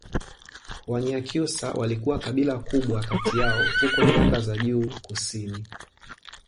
Wanyakyusa walikuwa kabila kubwa kati yao huko nyanda za juu kusini